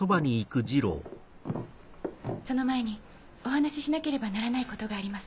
その前にお話ししなければならないことがあります。